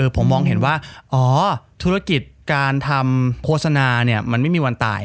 ผมมองเห็นว่าอ๋อธุรกิจการทำโฆษณามันไม่มีวันตาย